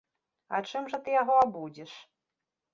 А чым жа ты яго абудзіш?